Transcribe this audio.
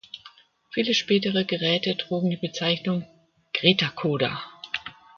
Viele spätere Geräte trugen die Bezeichnung "Gretacoder".